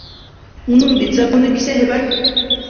Уның бит законный бисәһе бар!